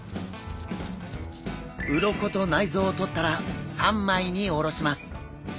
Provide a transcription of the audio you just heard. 鱗と内臓を取ったら三枚におろします。